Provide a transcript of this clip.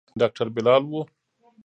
ډاکتر بلال و.